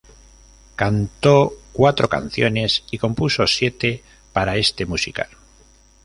Cantó cuatro canciones y compuso siete para este musical.